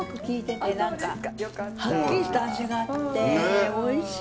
はっきりした味があっておいしい。